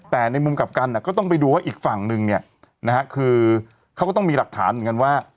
แต่ในมุมกลับกันก็ต้องไปดูว่าอีกฝั่งนึงเนี่ยนะฮะคือเขาก็ต้องมีหลักฐานเหมือนกันว่า